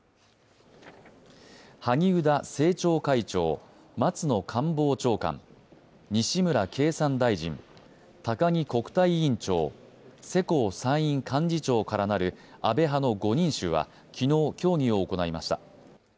萩生田政調会長、松野官房長官西村経産大臣、高木国対委員長、世耕参院幹事長からなる安倍派の５人衆は昨日、協議を行いました。